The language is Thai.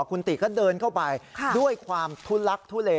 คุณติศักดิ์ก็เดินเข้าไปด้วยความทุลักษณ์ทุเล